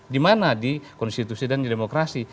di mana di konstitusi dan di demokrasi